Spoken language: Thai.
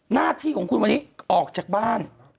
หน้าที่ของคุณวันนี้ออกจากบ้าน